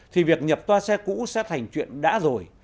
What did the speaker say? thì việc nhập toa xe cũ sẽ thành chuyện đã rồi